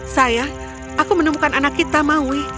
sayang aku menemukan anak kita maui